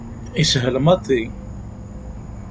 Yeshel maḍi.